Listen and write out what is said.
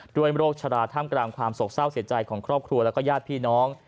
โรคชะลาท่ามกลางความโศกเศร้าเสียใจของครอบครัวแล้วก็ญาติพี่น้อง